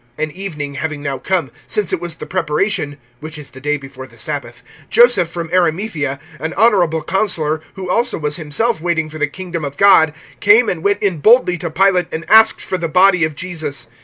(42)And evening having now come, since it was the preparation (which is the day before the sabbath[15:42]), (43)Joseph from Arimathaea, an honorable counselor, who also was himself waiting for the kingdom of God, came and went in boldly to Pilate, and asked for the body of Jesus.